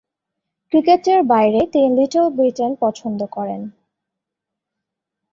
ক্রিকেটের বাইরে তিনি ‘লিটল ব্রিটেন’ পছন্দ করেন।